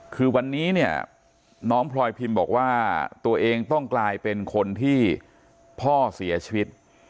คือวันนี้เนี่ยน้องพลอยพิมพ์บอกว่าตัวเองต้องกลายเป็นคนที่พ่อเสียชีวิต